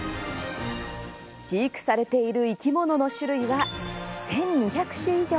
飼育されている生き物の種類は１２００種以上。